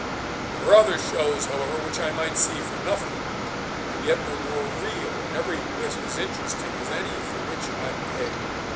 There were other shows, however, which I might see for nothing, and yet were more real and every whit as interesting as any for which I paid.